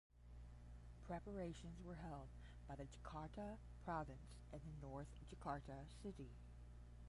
Preparations were held by the Jakarta province and the North Jakarta City.